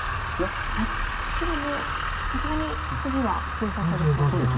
白もさすがに次は封鎖されそうですか。